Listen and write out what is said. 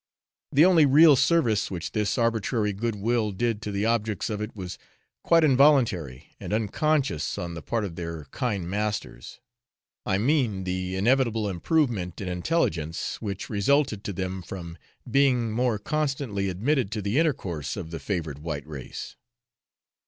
The only real service which this arbitrary goodwill did to the objects of it was quite involuntary and unconscious on the part of their kind masters I mean the inevitable improvement in intelligence, which resulted to them from being more constantly admitted to the intercourse of the favoured white race.